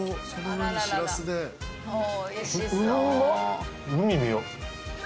海見よう。